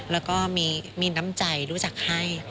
แล้วก็มีน้ำใจรู้จักให้